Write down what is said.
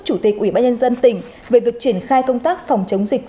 chủ tịch ubnd tỉnh về việc triển khai công tác phòng chống dịch